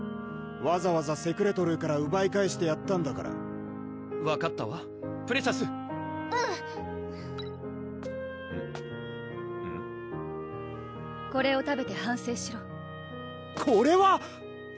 わざわざセクレトルーからうばい返してやったんだから分かったわプレシャスうんこれを食べて反省しろこれは！